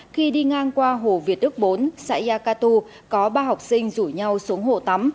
khi đi ngang qua hồ việt đức bốn xã yacatu có ba học sinh rủ nhau xuống hồ tắm